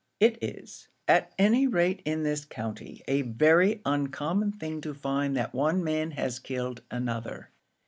it is, at any rate in this county, a very uncommon thing to find that one man has killed another.